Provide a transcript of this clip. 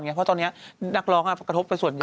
เพราะตอนนี้นักร้องกระทบไปส่วนหนึ่ง